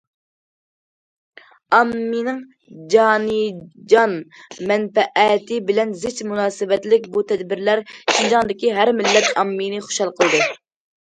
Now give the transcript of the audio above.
ئاممىنىڭ جانىجان مەنپەئەتى بىلەن زىچ مۇناسىۋەتلىك بۇ تەدبىرلەر شىنجاڭدىكى ھەر مىللەت ئاممىنى خۇشال قىلدى.